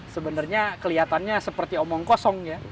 sebenarnya kelihatannya seperti omong kosong ya